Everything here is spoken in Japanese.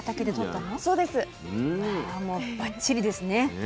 ああもうばっちりですね。